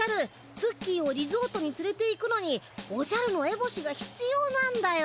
ツッキーをリゾートにつれていくのにおじゃるのエボシがひつようなんだよ。